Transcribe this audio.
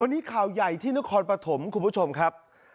วันนี้ข่าวใหญ่ที่นครปฐมคุณผู้ชมครับ